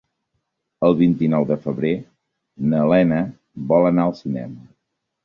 El vint-i-nou de febrer na Lena vol anar al cinema.